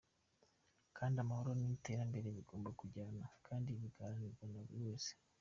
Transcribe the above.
Kandi amahoro niterambere bigomba kujyana, kandi bigaharanirwa na buri wese.